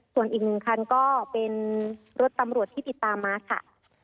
ส่วนอีกหนึ่งคันก็เป็นรถตำรวจที่ติดตามมาค่ะ